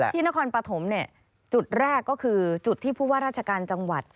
นครปฐมจุดแรกก็คือจุดที่ผู้ว่าราชการจังหวัด